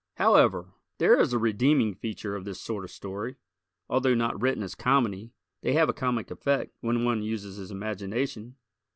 However, there is a redeeming feature of this sort of story: although not written as comedy, they have a comic effect, when one uses his imagination.